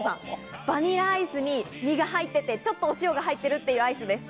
バニラアイスに身が入っていて、ちょっとお塩が入っているっていうアイスです。